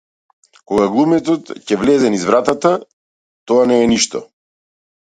Кога глумецот ќе влезе низ врата, тоа не е ништо.